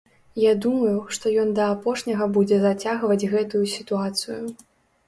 Я думаю, што ён да апошняга будзе зацягваць гэтую сітуацыю.